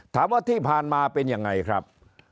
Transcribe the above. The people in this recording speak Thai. ถามว่าที่ผ่านมาเป็นยังไงครับ